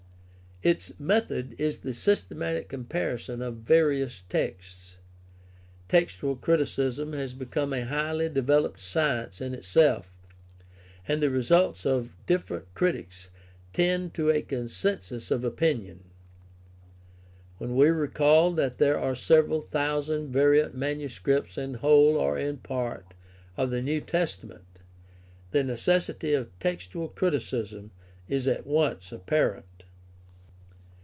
Its method is the systematic comparison of various texts. Textual 24 GUIDE TO STUDY OF CHRISTIAN RELIGION criticism has become a highly developed science in itself, and the results of different critics tend to a consensus of opinion. When we recall that there are several thousand variant manuscripts in whole or in part of the New Testament, the necessity of textual criticism is at once apparent.